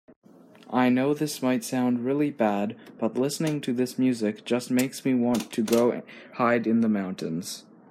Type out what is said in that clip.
I know this might sound really bad, but listening to this music just makes me want to go hide in the mountains.